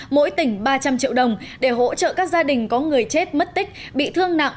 mỗi tỉnh ba trăm linh triệu đồng để hỗ trợ các gia đình có người chết mất tích bị thương nặng